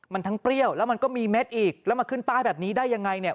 มันทั้งเปรี้ยวแล้วมันก็มีเม็ดอีกแล้วมาขึ้นป้ายแบบนี้ได้ยังไงเนี่ย